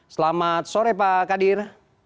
selamat sore pak qadir